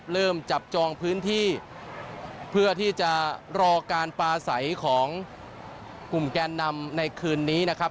เริ่มจับจองพื้นที่เพื่อที่จะรอการปลาใสของกลุ่มแกนนำในคืนนี้นะครับ